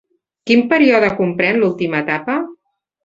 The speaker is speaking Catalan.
Quin període comprèn l'última etapa?